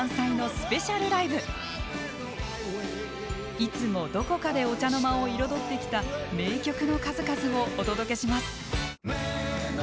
いつもどこかでお茶の間を彩ってきた名曲の数々をお届けします。